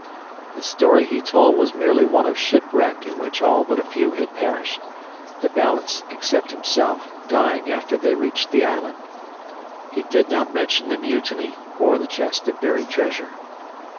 The story he told was merely one of shipwreck in which all but a few had perished, the balance, except himself, dying after they reached the island. He did not mention the mutiny or the chest of buried treasure.